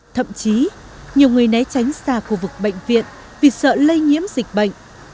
thậm chí nhiều người né tránh xa khu vực bệnh viện vì sợ lây nhiễm dịch bệnh